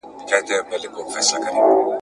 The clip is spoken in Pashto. موبایل د زده کوونکي له خوا کارول کيږي